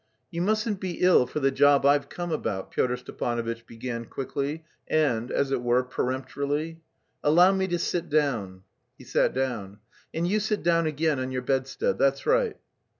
"You mustn't be ill for the job I've come about," Pyotr Stepanovitch began quickly and, as it were, peremptorily. "Allow me to sit down." (He sat down.) "And you sit down again on your bedstead; that's right.